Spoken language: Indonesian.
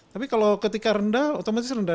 tapi kalau ketika rendah otomatis rendah